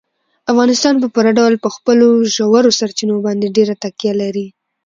افغانستان په پوره ډول په خپلو ژورو سرچینو باندې ډېره تکیه لري.